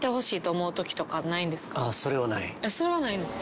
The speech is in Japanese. それはないんですか。